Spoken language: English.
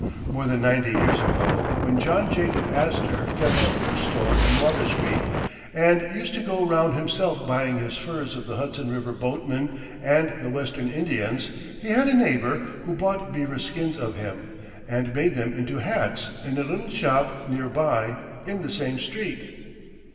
More than ninety years ago, when John Jacob Astor kept a fur store in Water Street, and used to go round himself buying his furs of the Hudson River boatmen and the western Indians, he had a neighbor who bought beaver skins of him, and made them into hats in a little shop near by, in the same street.